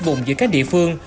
vùng giữa các địa phương